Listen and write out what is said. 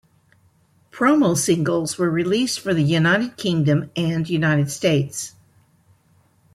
Promo singles were released for the United Kingdom and United States.